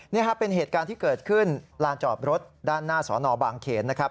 นี่ครับเป็นเหตุการณ์ที่เกิดขึ้นลานจอดรถด้านหน้าสอนอบางเขนนะครับ